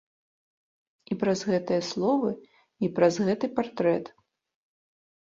І праз гэтыя словы, і праз гэты партрэт.